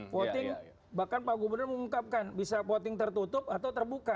voting bahkan pak gubernur mengungkapkan bisa voting tertutup atau terbuka